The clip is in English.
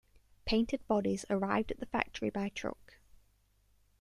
Painted bodies arrived at the factory by truck.